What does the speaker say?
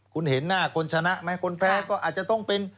คุณเห็นหน้าคนชนะไหมคนแพ้ก็อาจจะต้องเป็น